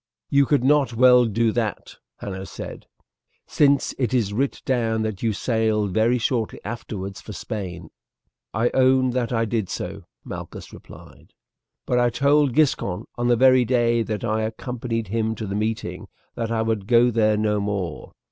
"You could not well do that," Hanno said, "since it is writ down that you sailed very shortly afterwards for Spain." "I own that I did so," Malchus replied, "but I told Giscon on the very day that I accompanied him to the meeting that I would go there no more.